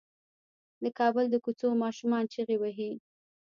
د کابل د کوڅو ماشومان چيغې وهي.